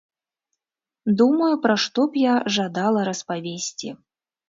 Думаю, пра што б я жадала распавесці.